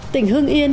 tỉnh hương yên